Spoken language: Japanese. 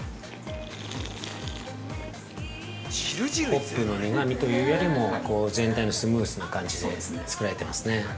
◆ホップの苦みというよりも全体のスムースな感じでつくられてますね。